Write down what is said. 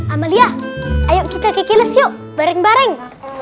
amalia ayo kita ke kilas yuk bareng bareng